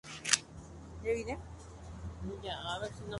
Ha sido descrito como causante de infección en gibones.